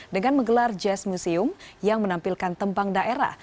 dengan menggelar jazz museum yang menampilkan tembang daerah